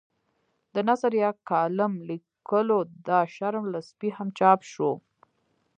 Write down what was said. د نثر یا کالم لیکلو دا شرم له سپي هم چاپ شو.